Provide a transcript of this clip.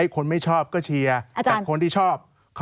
คนไม่ชอบก็เชียร์แต่คนที่ชอบ